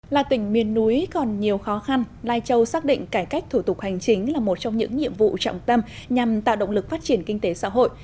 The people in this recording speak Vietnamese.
là tỉnh miền núi còn nhiều khó khăn lai châu xác định cải cách thủ tục hành chính là một trong những nhiệm vụ trọng tâm nhằm tạo động lực phát triển kinh tế xã hội